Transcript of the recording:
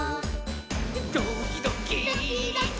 「ドキドキ」ドキドキ。